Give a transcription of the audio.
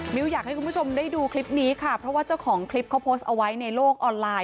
อยากให้คุณผู้ชมได้ดูคลิปนี้ค่ะเพราะว่าเจ้าของคลิปเขาโพสต์เอาไว้ในโลกออนไลน